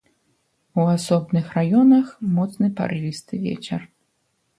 У асобных раёнах моцны парывісты вецер.